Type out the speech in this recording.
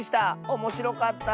おもしろかった。